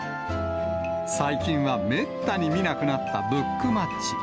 最近はめったに見なくなったブックマッチ。